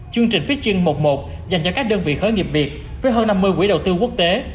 chương trình pitching một dành cho các đơn vị khởi nghiệp việt với hơn năm mươi quỹ đầu tư quốc tế